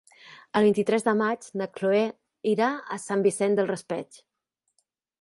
El vint-i-tres de maig na Chloé irà a Sant Vicent del Raspeig.